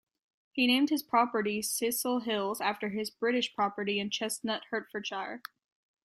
He named his property Cecil Hills after his British property in Chestnut, Hertfordshire.